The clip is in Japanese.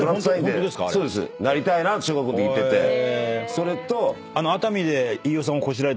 それと。